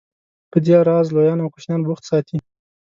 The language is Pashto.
په دې راز لویان او کوشنیان بوخت ساتي.